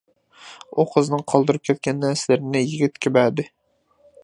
ئۇ قىزنىڭ قالدۇرۇپ كەتكەن نەرسىلىرىنى يىگىتكە بەردى.